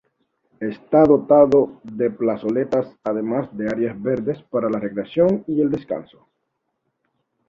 Está dotado de plazoletas además de áreas verdes para la recreación y el descanso.